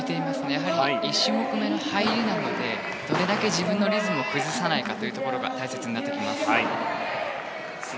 やはり１種目めの入りなのでどれだけ自分のリズムを崩さないかというところが大切になってきます。